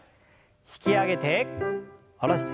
引き上げて下ろして。